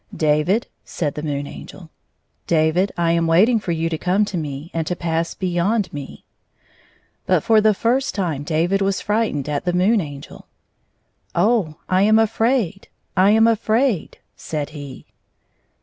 " David," said the Moon Angel, " David, I am waiting for you to come to me, and to pass beyond me." But for the first time David was frightened at the Moon Angel. " Oh, I am ajfraid ! I am afraid !" said he.